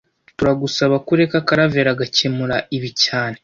Turagusaba ko ureka Karaveri agakemura ibi cyane